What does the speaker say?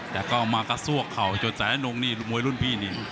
แต่ก็มากระซวกเข่าจนแสนอนงนี่มวยรุ่นพี่นี่